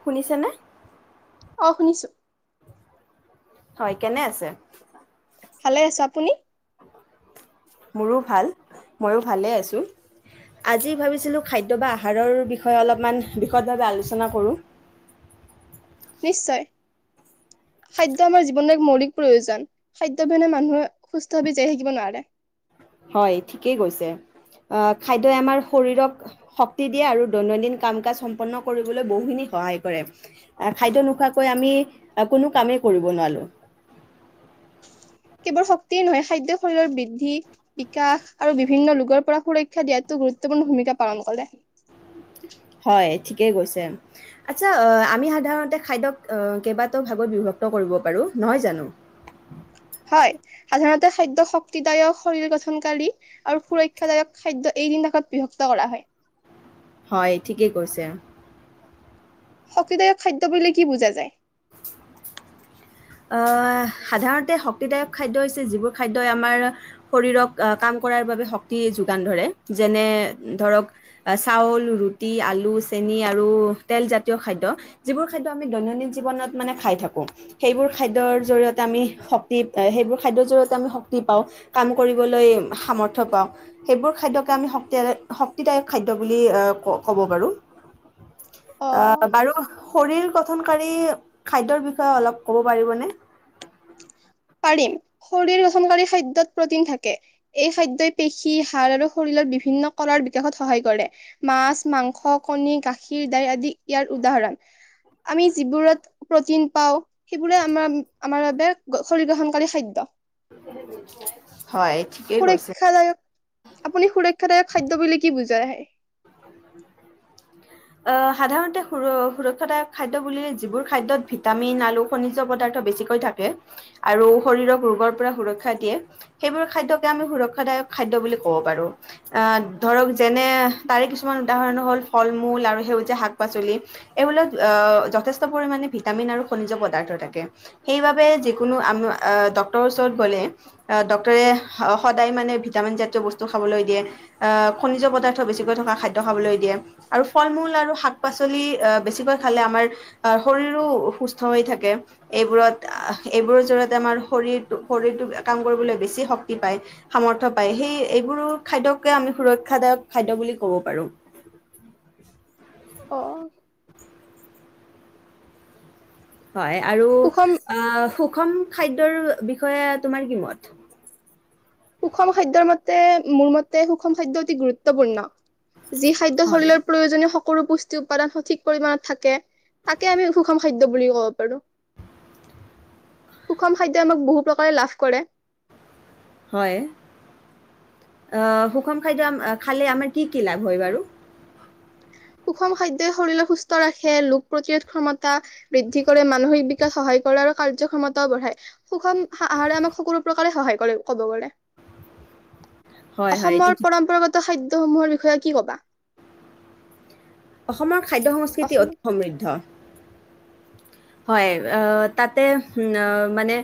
শুনিছেনে অ শুনিছো হয় কেনে আছে ভালে আছো আপুনি মোৰো ভাল ময়ো ভালে আছোঁ আজি ভাবিছিলোঁ খাদ্য বা আহাৰৰ বিষয়ে অলপমান বিশদভাৱে আলোচনা কৰোঁ নিশ্চয় খাদ্য আমাৰ জীৱনৰ এক মৌলিক প্ৰয়োজন খাদ্য অবিহনে মানুহে সুস্থভাৱে জীয়াই থাকিব নোৱাৰে হয় ঠিকেই কৈছে আহ খাদ্যই আমাৰ শৰীৰক শক্তি দিয়ে আৰু দৈনন্দিন কাম কাজ সম্পন্ন কৰিবলৈ বহুখিনি সহায় কৰে খাদ্য নোখোৱাকৈ আমি কোনো কামেই কৰিব নোৱাৰো কেৱল শক্তিয় নহয় খাদ্য শৰীৰৰ বৃদ্ধি বিকাশ আৰু বিভিন্ন ৰোগৰ পৰা সুৰক্ষা দিয়াতো গুৰুত্বপূৰ্ণ ভূমিকা পালন কৰে হয়, ঠিকেই কৈছে আচ্ছা আমি সাধাৰণতে খাদ্যক কেইবাটাও ভাগত বিভক্ত কৰিব পাৰোঁ নহয় জানো হয় সাধাৰণতে খাদ্য শক্তিদায়ক শৰীৰ গঠনকাৰী আৰু সুৰক্ষাদায়ক খাদ্য এইদিন ভাগত বিভক্ত কৰা হয় হয় ঠিকেই কৈছে। শক্তিদায়ক খাদ্য বোলি কি বুজা যায় [unintelligible] আহ সাধাৰণতে শক্তিদায়ক খাদ্য হৈছে যিবোৰ খাদ্যই আমাৰ শৰীৰক কাম কৰাৰ বাবে শক্তি যোগান ধৰে যেনে ধৰক চাউল ৰুটি আলু চেনি আৰু তেলজাতীয় খাদ্য যিবোৰ খাদ্য আমি দৈনন্দিন জীৱনত মানে খাই থাকো সেইবোৰ খাদ্যৰ জৰিয়তে আমি শক্তি সেইবোৰ খাদ্যৰ জৰিয়তে আমি শক্তি পাওঁ কাম কৰিবলৈ সামৰ্থ্য পাওঁ সেইবোৰ খাদ্যকে আমি শক্তি শক্তিদায়ক খাদ্য বুলি ক'ব পাৰোঁ। অ বাৰু শৰীৰ গঠনকাৰী খাদ্যৰ বিষয়ে অলপ। ক'ব পাৰিবনে। পাৰিম শৰীৰ গঠনকাৰী খাদ্যত প্ৰটিন থাকে এই খাদ্যই পেশী হাড় আৰু শৰীৰৰ বিভিন্ন কৰাৰ বিকাশত সহায় কৰে মাছ, মাংস, কণী, গাখীৰ, দাইল আদি ইয়াৰ উদাহৰণ আমি যিবোৰত প্ৰটিন পাওঁ সেইবোৰে আমাৰ আমাৰ [inaudible] শ গ্ৰহণকাৰী খাদ্য হয় ঠিকেই কৈছে। সুৰক্ষাদায়ক আপুনি সুৰক্ষাদায়ক খাদ্য বুলি কি বুজ। [unintelligible] আহ সাধাৰণতে স সুৰক্ষাদায়ক খাদ্য বুলি যিবোৰ খাদ্যত ভিটামিন আলু খনিজ্য পদাৰ্থ বেছিকৈ থাকে আৰু শৰীৰক ৰোগৰ পৰা সুৰক্ষা দিয়ে সেইবোৰ খাদ্যকে আমি সুৰক্ষাদায়ক খাদ্য বুলি ক'ব পাৰো আহ ধৰক যেনে। তাৰে কিছুমান উদাহৰণ হ'ল ফল মূল আৰু সেউজীয়া শাক পাচলি এইবিলাক আহ যথেষ্ট পৰিমাণে ভিটামিন আৰু খনিজ পদাৰ্থ থাকে সেইবাবে যিকোনো আ ডক্টৰে ওচৰত গ'লে ডক্টৰে সদায় মানে ভিটামিন জাতীয় বস্তু খাবলৈ দিয়ে আহ খনিজ পদাৰ্থ বেছি। থ খাদ্য খাবলৈ দিয়ে আৰু ফল মূল আৰু শাক পাচলি বেছিকৈ খালে আমাৰ শৰীৰো সুস্থ হৈ থাকে এইবোৰত। এইবোৰৰ জৰিয়তে আমাৰ শৰীৰটো শৰীৰটোক। কাম কৰিবলৈ বেছি শক্তি পায় সামৰ্থ পায় সেই এইবোৰো খাদ্য আমি সুৰক্ষাদায়ক খাদ্য বুলি। ক'ব পাৰোঁ অ হয় আৰু। সুষম ন খাদ্যৰ বিষয়ে তোমাৰ কিমত? সুষম খাদ্যৰ মতে মোৰ মতে সুষম খাদ্যয় অতি গুৰুত্বপূৰ্ণ। যি খাদ্য হয় শৰীৰৰ প্ৰয়োজনীয়। সৰু পুষ্টি উৎপাদন সঠিক পৰিমণত থাকে তাকে আমি সুষম খাদ্য বুলিু ক'ব পাৰো সুষম খাদ্যই আমাক বহু প্ৰকাৰে লাভ কৰে। হয় আহ সুষম খাদ্য খালে আমাৰ কি কি লাভ হয় বাৰু। সুষম খাদ্যই শৰীৰক সুস্থ ৰাখে ৰোগ প্ৰতিৰোধ ক্ষমতা বৃদ্ধি কৰে মানসিক বিকাশত সহায় কৰে আৰু কাৰ্যক্ষ্ষমতাও বঢ়ায়। সুষম আহাৰে আমাক সকলো সহায় কৰে ক'ব পাৰে। হয়, হয়, এইটো অসমৰ ঠিক। পৰম্পৰাগত খাদ্যসমূহৰ বিষয়ে কি ক'বা অসমৰ খাদ্য সংস্কৃতি অসমত অতি সমৃদ্ধ হয় আহ তাতে মানে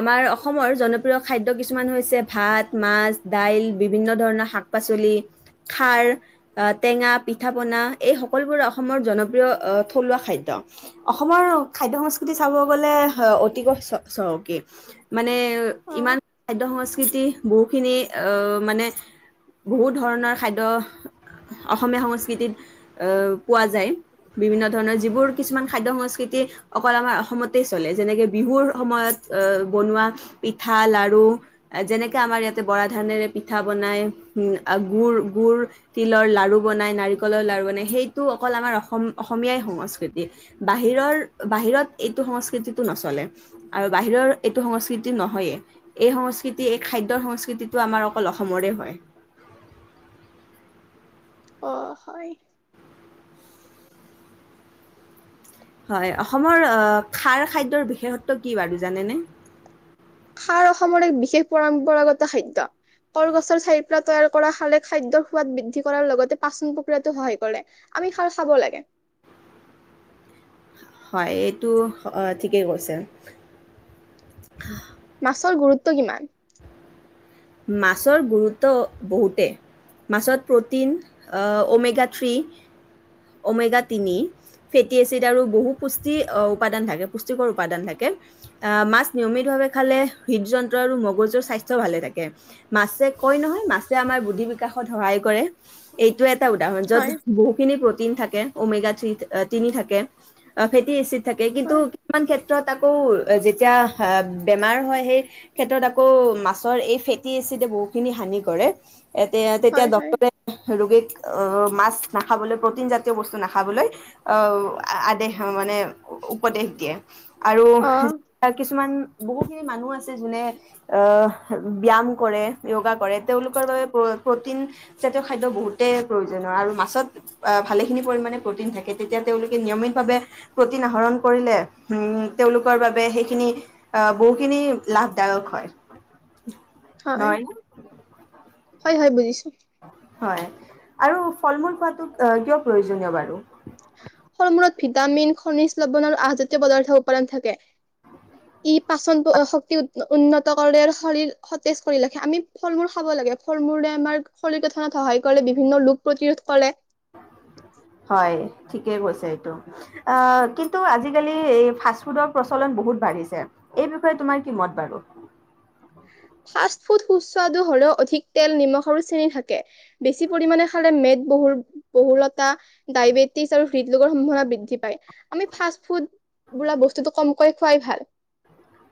আমাৰ অসমৰ জনপ্ৰিয় খাদ্য কিছুমান হৈছে ভাত, মাছ, দাইল বিভিন্ন ধৰণৰ শাক পাচলি খাৰ, টেঙা, পিঠা, পনা এই সকলোবোৰ অসমৰ জনপ্ৰিয় থলুৱা খাদ্য অসমৰ। খাদ্য সংস্কৃতি চাব গ'লে অতিকৈ চ চহকী মানে অ', ইমান খাদ্য সং সংস্কৃতি বহুখিনি আহ মানে বহু ধৰণৰ খাদ্য অসমীয়া সংস্কৃতিত আহ পোৱা যায় বিভিন্ন ধৰণৰ যিবোৰ কিছুমান খাদ্য সংস্কৃতি অকল আমাৰ অসমতে চলে যেনেকে বিহুৰ সময়ত আহ বনোৱা পিঠা লাডু আৰু যেনেকে আমাৰ ইয়াতে বৰা ধানেৰে পিঠা বনাই। গুড় গুড় তিলৰ লাডু বনায় নাৰিকলৰ লাডু বনায় সেইটো অকল আমাৰ অসম অসমীয়াই সংস্কৃতি বাহিৰৰ। বাহিৰত এইটো সংস্কৃতিটো নচলে আৰু বাহিৰৰ এইটো সংস্কৃতি নহয়েই এই সংস্কৃতি এই খাদ্যৰ সংস্কৃতিটো আমাৰ অকল অসমৰে হয়। অহ হয় হয় অসমৰ খাৰ খাদ্যৰ বিশেষত্ব কি বাৰু জানেনে খাৰ অসমৰ এক বিশেষ পৰম্পৰাগত খাদ্য কলগছৰ চাইৰ পৰা তৈয়াৰ কৰা খাৰে খাদ্যৰ সোৱাদ বৃদ্ধি কৰাৰ লগতে পাচন প্ৰক্ৰিয়াতো সহায় কৰে আমি খাৰ খাব লাগে হয় এইটো ঠিকেই কৈছে মাছৰ গুৰুত্ব কিমান মাছৰ গুৰুত্ব বহুতে মাছত প্ৰটিন অমেগা থ্ৰী অমেগা তিনি ফেটি এচিড আৰু বহু পুষ্টি উপাদান থাকে পুষ্টিকৰ উপাদান থাকে আহ মাছ নিয়মিতভাৱে খালে হৃদযন্ত্ৰ আৰু মগজুৰ স্বাস্থ্য ভালে থাকে মাছে কয় নহয় মাছে আমাৰ বুদ্ধি বিকাশত সহায় কৰে এইটো এ উদাহৰণ যত হয়, বহুখিনি তি থাকে অমেগা থ্ৰী তিনি থাকে ফেটি এ থাকে কিন্তু হয়, কিছুমান ক্ষেত্ৰত আকৌ যেতিয়া বেমাৰ হয় সেই ক্ষেত্ৰত আকৌ মাছৰ এই ফে টি এ চিতে বহুতখিনি হানি কৰে এয়া হয়, তেতিয়া হয়, ড্ক্তৰে ৰোগীক অহ মাছ নাখাবলৈ প্ৰটিন জাতীয় বস্তু নাখাবলৈ আহ আদেশ মানে উপদেশ দিয়ে আৰু অ', কিছুমান বহুতখিনি মানুহ আছে যোনে আহ ব্যাম কৰে য়োগা কৰে তেওঁলোকৰ বাবে প্ৰ'টিন জাতীয় খাদ্য বহুতে প্ৰয়োজনীয় আৰু মাছত ভালেখিনি পৰিমাণে প্ৰটিন থাকে তেতিয়া তেওঁলোকে নিয়মিতভাৱে প্ৰটিন আহৰণ কৰিলে তেওঁলোকৰ বাবে সেইখিনি বহুখিনি লাভদায়ক হয় হয় নহয় নে? হয় হয় বুজিছো হয় আৰু ফল মূল খোৱাটো কিয় প্ৰয়োজনীয় বাৰু স মূৰত ভিটামিন খনিজ লবণ আৰু আজাতীয় পদাৰ্থ উপাদান থাকে পাচন শক্তি উন্নত কৰে আৰু শৰীৰ সতেজ কৰি ৰাখে আমি ফল মূল খাব লাগে ফল মূৰে আমাৰ শৰীৰ গঠনত সহায় কৰে বিভিন্ন ৰোগ প্ৰতিৰোধ কৰে হয় ঠিকেই কৈছে এইটো কিন্তু আজিকালি এই ফাষ্টফুডৰ প্ৰচলন বহুত বাঢ়িছে এই বিষয়ে তোমাৰ কি মত বাৰু ফাষ্ট ফুড সুস্বাদু হলেও অধিক তেল নিমখ আৰু চেনি থাকে বেছি পৰিমানে খালে মেদ বহুৰ বহলতা ডায়বেটিছ আৰু হৃদৰোগৰ সম্ভাৱনা বৃদ্ধি পায় আমি ফাষ্ট ফুড বোলা বস্তুটো কমকৈ খোৱাই ভাল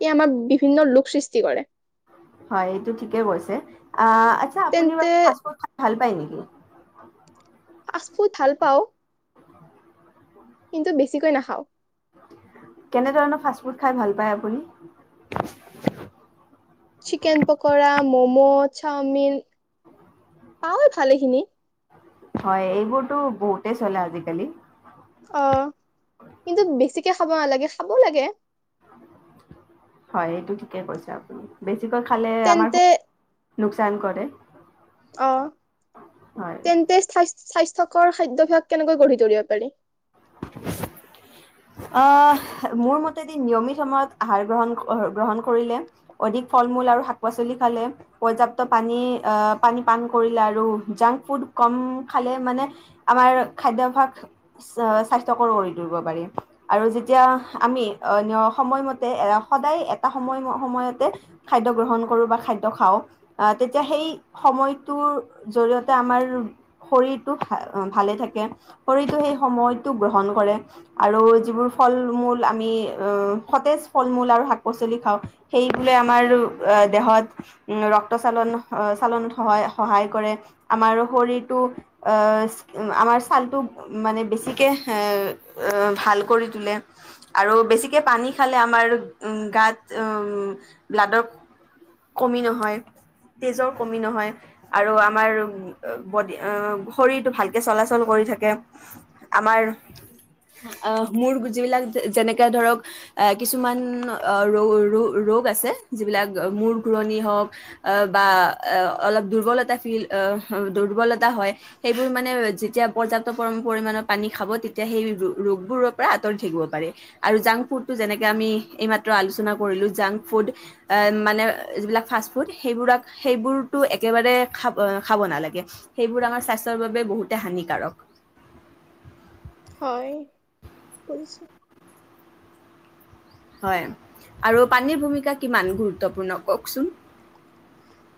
ই আমাৰ বিভিন্ন ৰোগ সৃষ্টি কৰে হয় এইটো ঠিকে কৈছে। আ আচ্ছা আপুনি তেন্তে বাৰু ফাষ্টফুড খাই ভাল পায় নেকি? ফাচফুদ ভাল পাওঁ কিন্তু বেছিকৈ নাখাও কেনেধৰণৰ ফাষ্টফুড খাই ভাল পায় আপুনি? চিকেন পকৰা মমো চাওমিন পাওঁ হয় ভালেখিনি হয় এইবোৰতটো বহুতেই চলে আজিকালি অ কিন্তু বেছিকে খাব নালাগে খাবও লাগে হয় এইটো ঠিকেই কৈছে আপুনি বেছি বেছিকৈ খালে আমাৰ তেন্তে লোকচান কৰে। অ', হয় তেনে তে থাই স্বাস্থ্যকৰ খাদ্যভয়াস কেনেকৈ গঢ়ি তুলিব পাৰি। আহ ', মোৰ মতেদি নিয়মিত সময়ত আহাৰ গ্ৰহণ গ্ৰহণ কৰিলে অধিক ফল মূল আৰু শাক পাচলি খালে পৰ্যাপ্ত পানী আহ পানী পান কৰিলে আৰু জাংক ফুড কম খালে মানে আমাৰ খাদ্যভ্যাস স্বাস্থ্যকৰ কৰি তুলিব পাৰি আৰু যেতিয়া আমি সময়মতে সদায় এটা সময় সময়তে খাদ্য গ্ৰহণ কৰোঁ বা খাদ্য খাওঁ তেতিয়া সেই সময়টোৰ জৰিয়তে আমাৰ শৰীৰটো ভালে থাকে শৰীৰটো সেই সময়ত টো গ্ৰহণ কৰে আৰু জিবোৰ ফলমূল আমি অ', সতেজ ফলমূল আৰু শাক পাচলি খাও সেই আমাৰ দেহত ৰক্তচালন চালনত সহায় - সহায় কৰে আমাৰ শৰীৰটো আমাৰ ছালটো মানে বেছি। কে ভাল কৰি তোলে আৰু বেছিকে পানী খালে আমাৰ গাত ব্লাডৰ। কমি নহয় তেজৰ কমি নহয় আৰু আমাৰ বডি শৰীৰটো ভালকে চলাচল কৰি থাকে। উ', আমাৰ আহ', মোৰ যিবিলাক যেনেকে ধৰক কিছুমান ৰ- ৰ ৰোগ আছে যিবিলাক মূৰ ঘূৰণি হওক বা অলপ দুৰ্বলতা ফিল দুৰ্বলতা হয় সেইবোৰ মানে যেতিয়া পৰ্যাপ্ত পৰিমণত। খাব তেতিয়া সেই ৰোগবোৰৰ পৰা আঁতৰি থাকিব পাৰে। আৰু জাংক ফুড টো যেনেকে আমি এইমাত্ৰ আলোচনা কৰিলো জাংক ফুড এ', মানে যিবিলাক ফাষ্ট ফুড সেইবোৰাক- সেইবোৰতো একেবাৰে খাব খাব নালাগে। সেইবোৰ আমাৰ স্বাস্থ্যৰ বাবে বহুত হানিকাৰক। হয়', বুজিছো। হয় ', আৰু পানীৰ ভূমিকা কিমান গুৰুত্বপূৰ্ণ কওকচোন?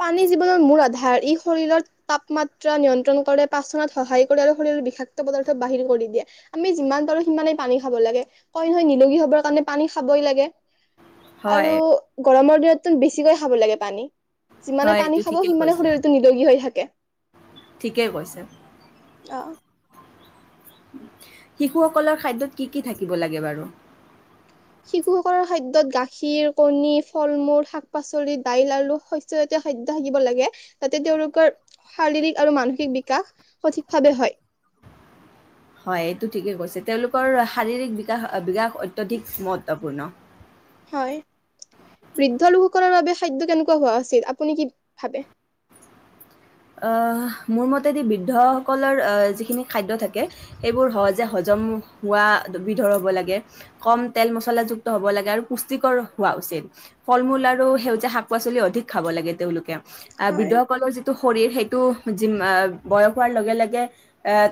পানী জীৱনৰ মূল আধাৰ ই শৰীৰৰ তাপমাত্ৰা নিয়ন্ত্ৰণ কৰে পাচনত সহায় কৰে আৰু শৰীৰৰ বিষাক্ত পদাৰ্থ বাহিৰ কৰি দিয়ে আমি যিমান পাৰো সিমানেই পানী খাব লাগে কই নহয় নিলোগী হবৰ কাৰণে পানী খাবই লাগে। হয়, আৰু গৰমৰ দিনততো বেছিকৈ খাব লাগে পানী। যিমানে হয় পানী এইটো খাব ঠিকে সিমানে কৈছে, শৰীৰতটো নিৰোগী হৈ থাকে ঠিকে কৈছে। আহ', শিশুসকলৰ খাদ্যত কি- কি থাকিব লাগে বাৰু? শিশুসকলৰ খাদ্যত গাখীৰ কণী ফল মূল শাক পাচলি দাইল আৰু শস্যজাতীয় খাদ্য থাকিব লাগে যাতে তেওঁলোকৰ শাৰীৰিক আৰু মানসিক বিকাশ সঠিকভাৱে হয়। হয় ', এইটো ঠিকেই কৈছে তেওঁলোকৰ শাৰীৰিক বিকা বিকাশ অত্যাধিক মহত্বপূৰ্ণ। হয়', বৃদ্ধ লোকসকলৰ বাবে খাদ্য কেনেকুৱা হোৱা উচিত আপুনি কি ভাবে। আহ', মোৰ মতেদি বৃদ্ধসকলৰ আহ যিখিনি খাদ্য থাকে সেইবোৰ সহজে হজম হোৱা বিধৰ হব লাগে কম তেল মছলাযুক্ত হ'ব লাগে আৰু পুষ্টিকৰ হোৱা উচিত ফল মূল আৰু সেউজীয়া শাক পাচলি অধিক খাব লাগে তেওঁলোকে। বৃদ্ধ হয় সকলৰ যিটো শৰীৰ সেইটোি বয়স হোৱাৰ লগে- লগে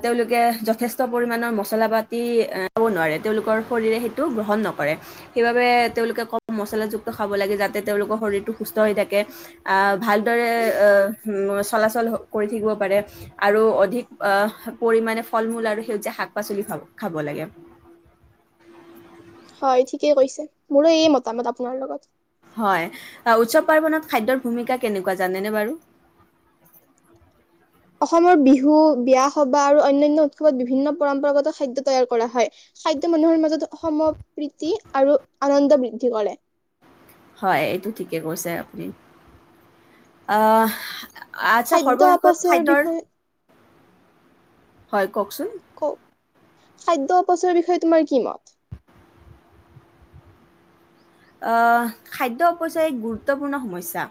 তেওঁলোকে যথেষ্ট পৰিমাণৰ মচলা পাতি খাব নোৱাৰে তেওঁলোকৰ শৰীৰে সেইটো গ্ৰহণ নকৰে, সেইবাবে তেওঁলোকে কম মছলাযুক্ত খাব লাগে যাতে তেওঁলোকৰ শৰীৰটো সুস্থ হৈ থাকে আহ ', ভালদৰে চলাচল কৰি থাকিব পাৰে আৰু অধিক পৰিমাণে ফল মূল আৰু সেউজীয়া শাক পাচলি খাব লাগে। হয় ', ঠিকেই কৈছে মোৰো এই মতামত আপোনাৰ লগত। হয়', উৎসৱ পাৰ্বণত খাদ্যৰ ভূমিকা কেনেকুৱা জানেনে বাৰু? অসমৰ বিহু বিয়া সবাহ আৰু অন্যান্য উৎসৱত বিভিন্ন পৰম্পৰাগত খাদ্য তৈয়াৰ কৰা হয় খাদ্য মানুহৰ মাজত অসমপ্ৰীতি আৰু আনন্দ বৃদ্ধি কৰে। হয়', এইটো ঠিকে কৈছে আপুনি আহ', আচ্ছা খাদ্য সৰ্বশেষত অপচয়ৰ খাদ্যৰ বিষয়ে হয়', কওকচোন ক ', খাদ্য অপচয়ৰ বিষয়ে তোমাৰ কি মত? আহ ', খাদ্যয়পইচ্যা এক গুৰুত্বপূৰ্ণ সমস্যা।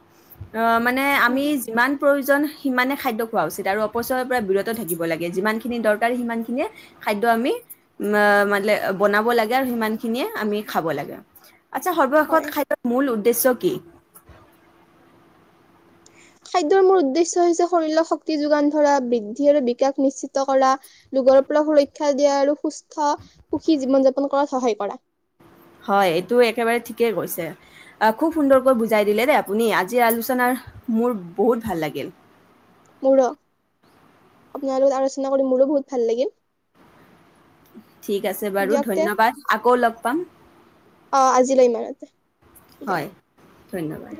অ ', মানে আমি উম, যিমান প্ৰয়োজন জন সিমানে খাদ্য খোৱা উচিত। আৰু অপচয়ৰ পৰা বিৰত থাকিব লাগে। যিমান খিনি দৰকাৰ সিমান খিনিয়ে খাদ্য আমি উ মানে বনাব লাগে আৰু সিমান খিনিয়ে আমি খাব লাগে। আচ্ছা হয়। সৰ্বশেষত খাদৰ মূল উদ্দেশ্য কি? খাদ্যৰ মূল উদ্দেশ্য হৈছে শৰীৰক শক্তি যোগান ধৰা, বৃদ্ধি আৰু বিকাশ নিশ্চিত কৰা, ৰোগৰ পৰা সুৰক্ষা দিয়া, আৰু সুস্থ সুখী জীৱন যাপন কৰাত সহায় কৰা। হয় এইটো একেবাৰে ঠিকেই কৈছে। খুব সুন্দৰকৈ বুজাই দিলে দেই আপুনি আজিৰ আলোচনাৰ মোৰ বহুত ভাল লাগিল। মোৰ। আপোনাৰ লগত আলোচনা কৰি মোৰো বহুত ভাল লাগিল। ঠিক আছে বাৰু দিয়ক তে ধন্যবাদ আকৌ লগ পাম। অ আজিলৈ ইমানতে দিয়ক। হয়, ধন্যবাদ।